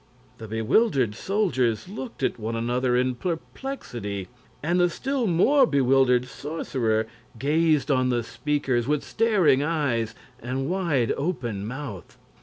The bewildered soldiers looked at one another in perplexity, and the still more bewildered sorcerer gazed on the speakers with staring eyes and wide open mouth.